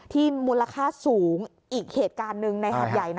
มูลค่าสูงอีกเหตุการณ์หนึ่งในหาดใหญ่